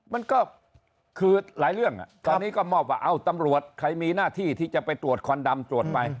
มันก็คือหลายเรื่องตอนนี้ก็มอบว่าเอ้าตำรวจใครมีหน้าที่ที่จะไปตรวจควันดำตรวจไป